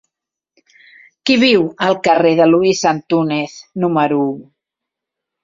Qui viu al carrer de Luis Antúnez número u?